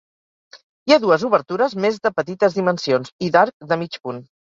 Hi ha dues obertures més de petites dimensions i d'arc de mig punt.